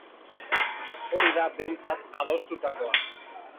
Hori da, behintzat, adostutakoa.